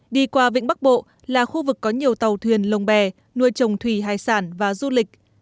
đi qua vịnh bắc bộ là khu vực có nhiều tàu thuyền lồng bè nuôi trồng thủy hải sản và du lịch